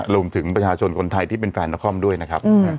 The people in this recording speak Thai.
รวมถึงประชาชนคนไทยที่เป็นแฟนนครด้วยนะครับ